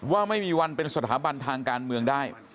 ว่าไม่มีวันเป็นสถาบันทางการเมืองได้